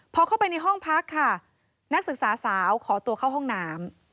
พอเข้าไปในห้องพักค่ะนักศึกษาสาวขอตัวเข้าห้องน้ำ